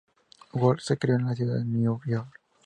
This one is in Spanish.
Wolf se crio en la ciudad de Nueva York.